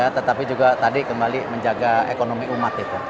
tetapi juga tadi kembali menjaga ekonomi umat itu